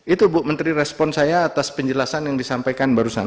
itu bu menteri respon saya atas penjelasan yang disampaikan barusan